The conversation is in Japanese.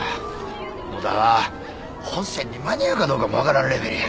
野田は本選に間に合うかどうかも分からんレベルや。